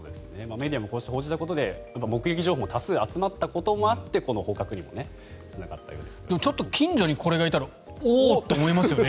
メディアもこうして報じたことで目撃情報が多数集まったこともあってこの捕獲にもつながったようですからね。